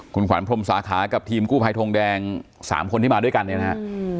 คุณขวัญพรมสาขากับทีมกู้ภัยทงแดง๓คนที่มาด้วยกันเนี่ยนะครับ